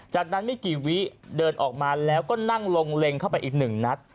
จากนั้นไม่กี่วิเดินออกมาแล้วก็นั่งลงเล็งเข้าไปอีกหนึ่งนัด